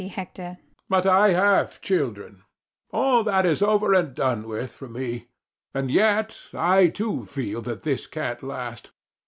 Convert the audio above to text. But I have children. All that is over and done with for me: and yet I too feel that this can't last.